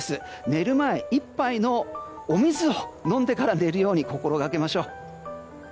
寝る前に１杯のお水を飲んでから寝るように心がけましょう。